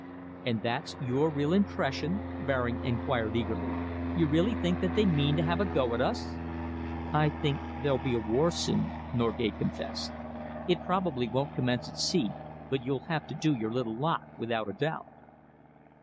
"And that's your real impression?" Baring enquired eagerly. "You really think that they mean to have a go at us?" "I think there'll be a war soon," Norgate confessed. "It probably won't commence at sea, but you'll have to do your little lot, without a doubt."